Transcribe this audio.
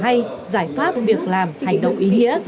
hay giải pháp việc làm hành động ý nghĩa